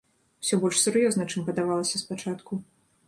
Усё больш сур'ёзна, чым падавалася спачатку.